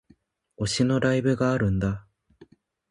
推しのライブがあるんだ